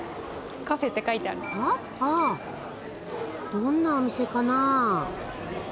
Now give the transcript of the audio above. どんなお店かな？